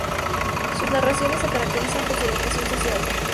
Sus narraciones se caracterizan por su orientación social.